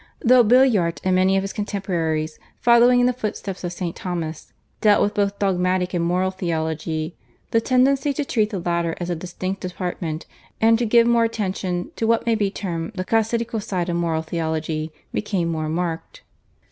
Though Billuart and many of his contemporaries, following in the footsteps of St. Thomas, dealt with both dogmatic and moral theology, the tendency to treat the latter as a distinct department and to give more attention to what may be termed the casuistical side of moral theology became more marked.